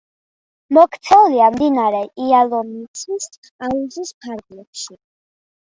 მოქცეულია მდინარე იალომიცის აუზის ფარგლებში.